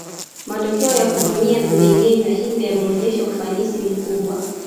Matokeo ya kutumia vimengenywa hivi yameonyesha ufanisi mkubwa